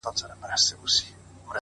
خاموش کار لوی بدلون راولي’